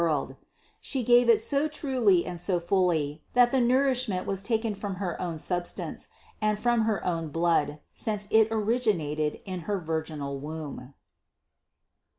And She gave it so truly and so fully, that the nourishment was taken from her own substance and from her own blood, since it originated in her virginal womb.